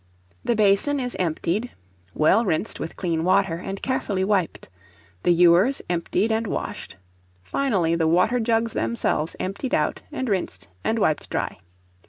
The basin is emptied, well rinsed with clean water, and carefully wiped; the ewers emptied and washed; finally, the water jugs themselves emptied out and rinsed, and wiped dry.